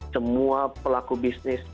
semua pelaku bisnis